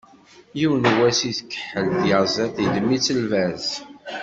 Yiwen wass i tgeḥḥel tyaẓiḍt, yeddem-itt lbaz.